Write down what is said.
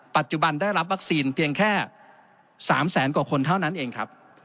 ปัจจุบันได้รับวัคซีนเพียงแค่๓แสนกว่าคนเท่านั้นเองครับ